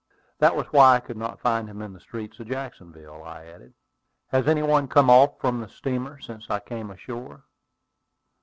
"That was why I could not find him in the streets of Jacksonville," I added. "Has any one come off from the steamer since I came ashore?"